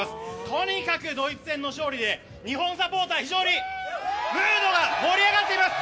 とにかくドイツ戦の勝利で日本サポーター非常にムードが盛り上がっています。